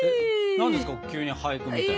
何ですか急に俳句みたいな。